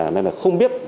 nên là không biết